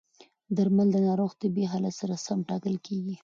درمل د ناروغ طبي حالت سره سم ټاکل کېږي.